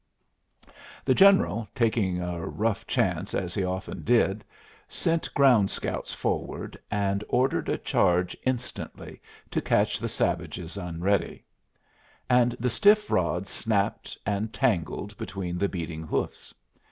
The General, taking a rough chance as he often did, sent ground scouts forward and ordered a charge instantly, to catch the savages unready; and the stiff rods snapped and tangled between the beating hoofs.